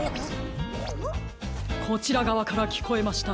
・こちらがわからきこえました！